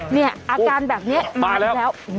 เนี่ยอาการแบบนี้มาแล้ว